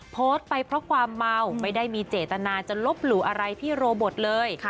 โพสต์ไปเพราะความเมาไม่ได้มีเจตนาจะลบหลู่อะไรพี่โรเบิร์ตเลย